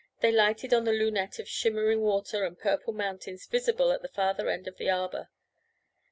They lighted on the lunette of shimmering water and purple mountains visible at the farther end of the arbour.